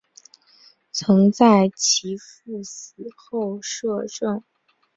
曾在其夫死后摄政。